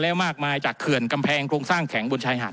แล้วมากมายจากเขื่อนกำแพงโครงสร้างแข็งบนชายหาด